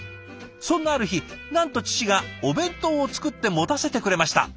そんなある日なんと父がお弁当を作って持たせてくれました！